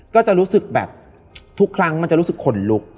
ก็จะรู้สึกแบบทุกครั้งมันจะรู้สึกขนลุก